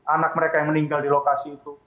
anak mereka yang meninggal di lokasi itu